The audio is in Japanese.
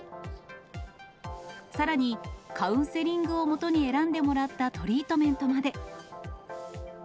さらにカウンセリングをもとに選んでもらったトリートメントまで。